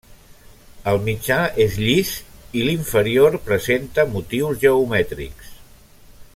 El mitjà és llis i l'inferior presenta motius geomètrics.